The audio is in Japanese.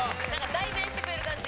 代弁してくれる感じ。